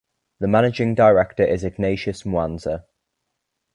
The managing director is Ignatius Mwanza.